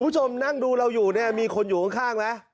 คุณผู้ชมนั่งดูเราอยู่เนี่ยมีคนอยู่ข้างไหม